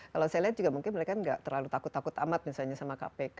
kalau saya lihat juga mungkin mereka nggak terlalu takut takut amat misalnya sama kpk